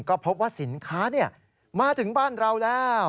ก็พบว่าสินค้ามาถึงบ้านเราแล้ว